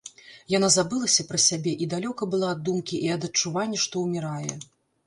Яна забылася пра сябе і далёка была ад думкі і ад адчування, што ўмірае.